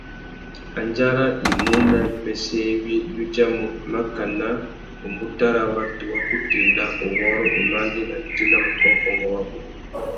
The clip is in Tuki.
Andjara i mú nà wipêssê iwí i udjamú mákànà râ watu wa kutu ena, uwôrrô, umandēna tsi na wakōkôngô wabú.